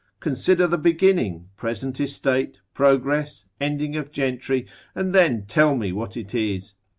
Consider the beginning, present estate, progress, ending of gentry, and then tell me what it is.